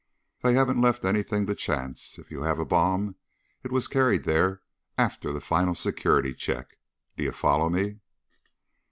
"They haven't left anything to chance. If you have a bomb, it was carried there after the final security check. Do you follow me?"